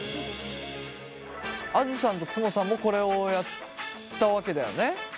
あづさんとつもさんもこれをやったわけだよね。